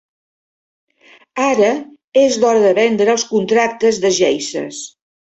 Ara és l'hora de vendre els contractes de geishes.